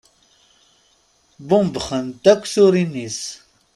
Bumebbxent akk turin-is.